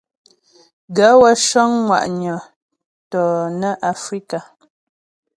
Gaə̂ wə́ cə́ŋ ŋwà'nyə̀ tɔnə Afrikà.